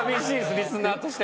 リスナーとしては。